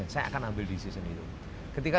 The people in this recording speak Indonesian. saya akan ambil decision itu ketika